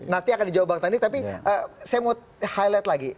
nanti akan dijawab bang tadi tapi saya mau highlight lagi